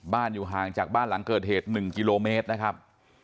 อยู่ห่างจากบ้านหลังเกิดเหตุ๑กิโลเมตรนะครับ